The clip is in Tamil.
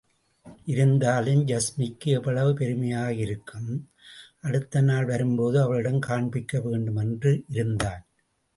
இருந்தாலும் யாஸ்மிக்கு எவ்வளவு பெருமையாக இருக்கும், அடுத்த நாள்வரும்போது அவளிடம் காண்பிக்க வேண்டுமென்று இருந்தான்.